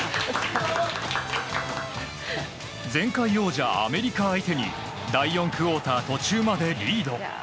前回王者アメリカ相手に第４クオーター途中までリード。